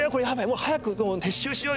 もう早く撤収しようよ！